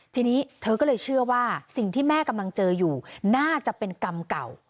ทีนี้เธอก็เลยเชื่อว่าสิ่งที่แม่กำลังเจออยู่น่าจะเป็นกรรมเก่า